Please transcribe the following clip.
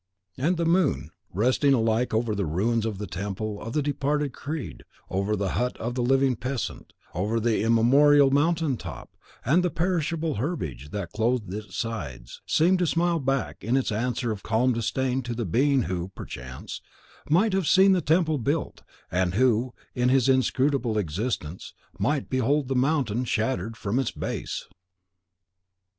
And the moon, resting alike over the ruins of the temple of the departed creed, over the hut of the living peasant, over the immemorial mountain top, and the perishable herbage that clothed its sides, seemed to smile back its answer of calm disdain to the being who, perchance, might have seen the temple built, and who, in his inscrutable existence, might behold the mountain shattered from its base.